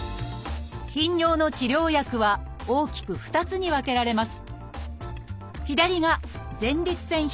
頻尿の治療薬は大きく２つに分けられます